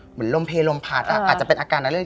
เหมือนลมเพลลมพัดอาจจะเป็นอาการอะไร